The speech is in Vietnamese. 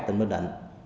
tỉnh bình định